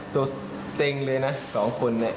ตัวเต็งเลยนะ๒คน